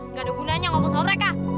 nggak ada gunanya ngomong sama mereka